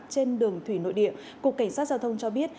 trên đường thủy nội địa cục cảnh sát giao thông cho biết